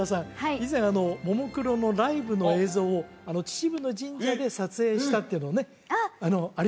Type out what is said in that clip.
以前ももクロのライブの映像を秩父の神社で撮影したっていうのをねあっ！